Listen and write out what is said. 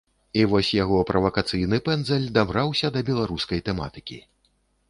І вось яго правакацыйны пэндзаль дабраўся да беларускай тэматыкі.